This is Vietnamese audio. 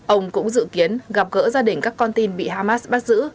ông cũng dự kiến gặp gỡ gia đình các con tin bị hamas bắt giữ